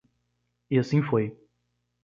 E assim foi.